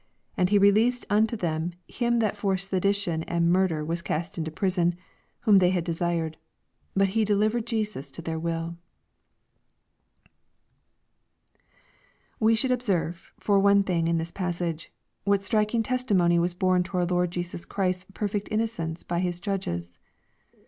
25 And he released unto them him that for sedition and murder was cast into prison, whom they had desired ; but he delivered Jesus to their will. We should observe, for one thing, in this passage, what striking testimony teas borne to our Lord Jesus Christ'a "perfect innocence by His judges.